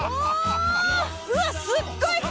わっすっごい力！